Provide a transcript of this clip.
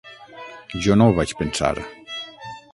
Jo no ho vaig pensar.